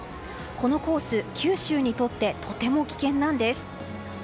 このコース、九州にとってとても危険なんです。